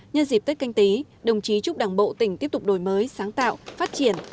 nhân dịp tết canh tí đồng chí chúc đảng bộ tỉnh tiếp tục đổi mới sáng tạo phát triển